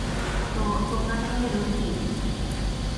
তো, তোমরা তাহলে রুকি?